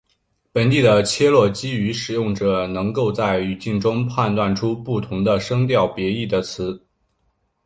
本地的切罗基语使用者能够在语境中判断出不同的声调别义的词。